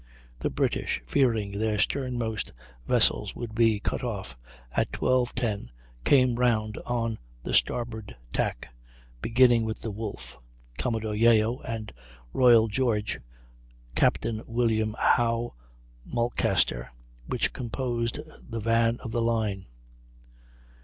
The British, fearing their sternmost vessels would be cut off, at 12.10 came round on the starboard tack, beginning with the Wolfe, Commodore Yeo, and Royal George, Captain William Howe Mulcaster, which composed the van of the line.